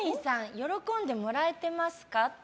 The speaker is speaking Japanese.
喜んでもらえてます？